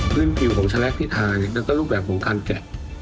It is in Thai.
พื้นผิวของแจ็คที่ทายเนี่ยแล้วก็รูปแบบของการแจ็ค